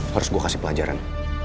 harus gue kasih pelajaran